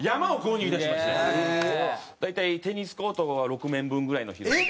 大体テニスコート６面分ぐらいの広さで。